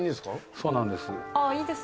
そうなんです。